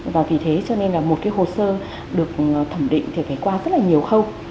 và vì thế cho nên là một cái hồ sơ được thẩm định thì phải qua rất là nhiều khâu